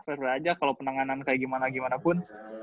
pada pada aja kalo penanganan kayak gimana gimanapun